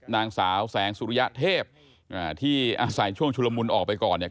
นางสาวแสงสุริยเทพอ่าที่อาศัยช่วงชุลมุนออกไปก่อนเนี่ย